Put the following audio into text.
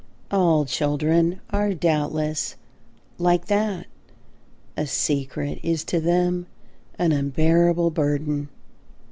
All children are, doubtless, like that. A secret is to them an unbearable burden.